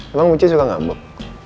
emang muci suka ngabuk